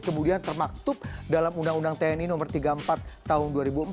kemudian termaktub dalam undang undang tni no tiga puluh empat tahun dua ribu empat